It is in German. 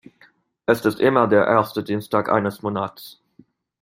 Es ist immer der erste Dienstag eines Monats.